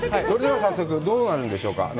それでは早速、どうなるんでしょうか。